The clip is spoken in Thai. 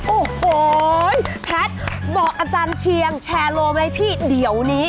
โอ้โหแพทย์บอกอาจารย์เชียงแชร์โลไว้พี่เดี๋ยวนี้